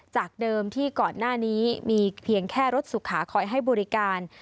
จากเดิมที่ก่อนหน้านี้มีเพียงแค่รถสุขาคอยให้บริการ